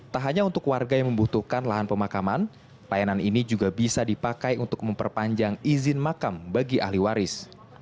tak hanya untuk warga yang membutuhkan lahan pemakaman layanan ini juga bisa dipakai untuk memperpanjang izin makam bagi ahli waris